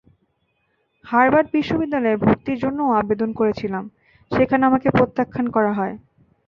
Harvard বিশ্ববিদ্যালয়ে ভর্তির জন্যও আবেদন করেছিলাম, সেখানে আমাকে প্রত্যাখ্যান করা হয়।